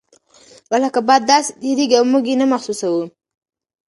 وخت لکه باد داسې تیریږي او موږ یې نه محسوسوو.